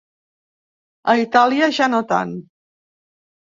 A Itàlia, ja no tant.